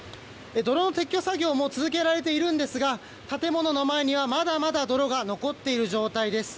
泥の撤去作業も続けられているんですが建物の前にはまだまだ泥が残っている状態です。